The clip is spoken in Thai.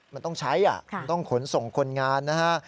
มันต้องใช้มันต้องขนส่งคนงานนะฮะ